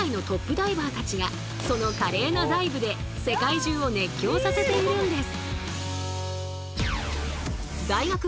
ダイバーたちがその華麗なダイブで世界中を熱狂させているんです。